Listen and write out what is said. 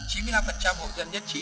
chín mươi năm hồ dân nhất trí